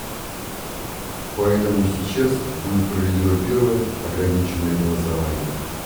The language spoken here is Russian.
Поэтому сейчас будет проведено первое ограниченное голосование.